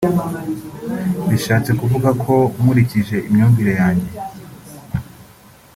Bishatse kuvuga ko nkurikije imyumvire yanjye